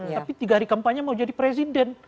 tapi tiga hari kampanye mau jadi presiden